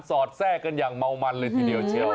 อดแทรกกันอย่างเมามันเลยทีเดียวเชียว